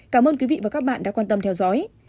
cảm ơn quý vị và các bạn đã quan tâm theo dõi